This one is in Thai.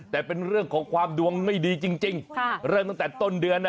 แต่เป็นเรื่องของความดวงไม่ดีจริงเริ่มตั้งแต่ต้นเดือนน่ะ